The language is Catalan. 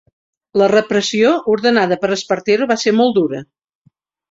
La repressió ordenada per Espartero va ser molt dura.